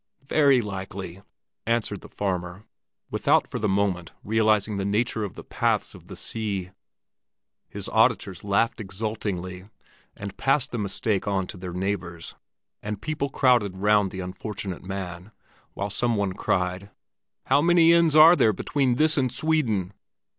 "Very likely," answered the farmer, without for the moment realizing the nature of the paths of the sea. His auditors laughed exultingly, and passed the mistake on to their neighbors, and people crowded round the unfortunate man, while some one cried: "How many inns are there between this and Sweden?"